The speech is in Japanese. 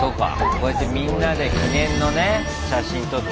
こうやってみんなで記念のね写真撮ったりしながら。